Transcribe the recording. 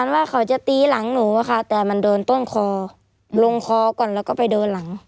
ว่าเขาจะตีหลังหนูอะค่ะแต่มันโดนต้นคอลงคอก่อนแล้วก็ไปโดนหลัง